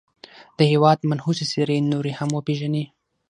د هېواد منحوسي څېرې نورې هم وپېژني.